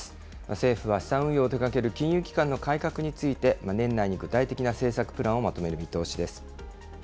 政府は資産運用を手がける金融機関の改革について、年内に具体的な政策プランをまとめる見通しです。